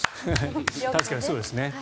確かにそうですね。